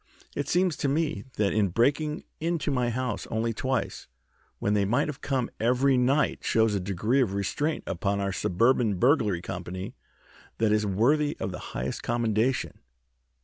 It seems to me that in breaking into my house only twice when they might have come every night shows a degree of restraint upon our Suburban Burglary Company that is worthy of the highest commendation.